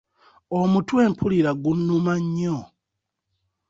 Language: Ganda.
Omutwe mpulira gunnuma nnyo.